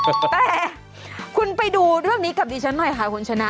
แต่คุณไปดูเรื่องนี้กับดิฉันหน่อยค่ะคุณชนะ